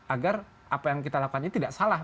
agar apa yang kita lakukannya tidak salah